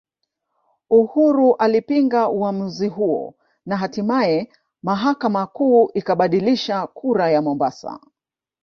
Uhuru alipinga uamuzi huo na hatimaye mahakama kuu ikabatilisha kura ya Mombasa